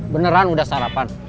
beneran udah sarapan